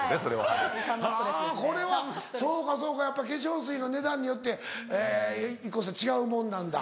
あぁこれはそうかそうかやっぱ化粧水の値段によってＩＫＫＯさん違うものなんだ。